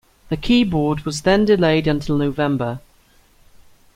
The keyboard was then delayed until November.